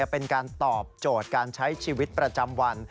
เป็นการตอบโจทย์การใช้ชีวิตประจำวัน